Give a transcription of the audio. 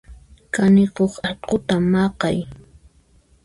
Kanikuq alquta maqay.